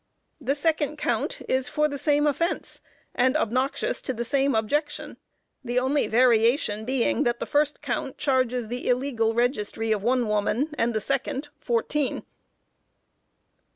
The second count is for the same offense, and obnoxious to the same objection. The only variation being that the first count charges the illegal registry of one woman, and the second, fourteen.